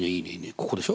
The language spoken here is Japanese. ここでしょ？